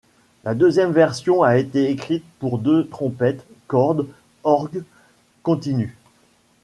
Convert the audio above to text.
La deuxième version a été écrite pour deux trompettes, cordes, orgue continue.